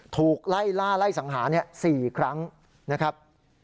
ถูกไล่ล่าไล่สังหา๔ครั้งนะครับ